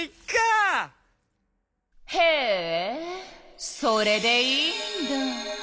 へえそれでいいんだ。